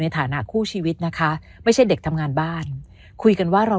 ฐานะคู่ชีวิตนะคะไม่ใช่เด็กทำงานบ้านคุยกันว่าเรา